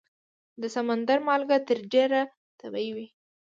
د سمندر مالګه تر ډېره طبیعي وي.